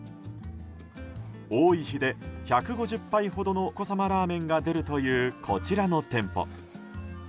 多い日で１５０杯ほどのお子様ラーメンが出るというこちらの店舗。